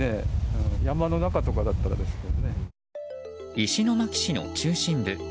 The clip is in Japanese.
石巻市の中心部。